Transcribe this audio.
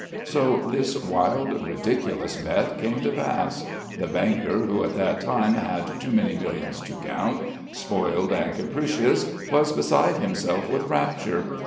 So this wild, ridiculous bet came to pass. The banker, who at that time had too many millions to count, spoiled and capricious, was beside himself with rapture.